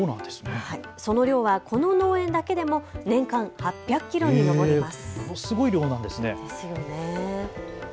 その量はこの農園だけでも年間８００キロに上ります。